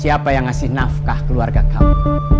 siapa yang ngasih nafkah keluarga kamu